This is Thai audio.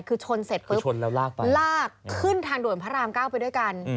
คือชนเสร็จปุ๊บลากขึ้นทางด่วนพระรามเก้าไปด้วยกัน